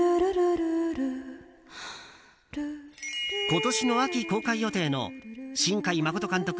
今年の秋公開予定の新海誠監督